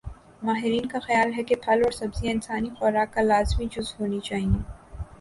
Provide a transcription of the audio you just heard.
ماہرین کا خیال ہے کہ پھل اور سبزیاں انسانی خوراک کا لازمی جز ہونی چاہئیں